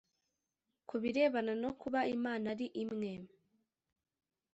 ku birebana no kuba imana ari imwe